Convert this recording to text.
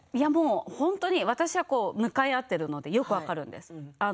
本当に私は向かい合っているのでよく分かるんです。